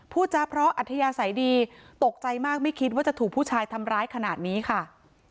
พูดจาเพราะอัธยาศัยดีตกใจมากไม่คิดว่าจะถูกผู้ชายทำร้ายขนาดนี้ค่ะ